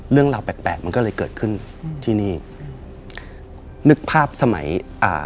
เรื่องราวแปลกแปลกมันก็เลยเกิดขึ้นอืมที่นี่นึกภาพสมัยอ่า